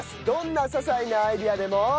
どんな些細なアイデアでも。